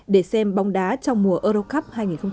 để xem bóng đá trong mùa euro cup hai nghìn một mươi sáu